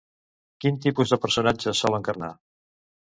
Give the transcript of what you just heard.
Quin tipus de personatges sol encarnar?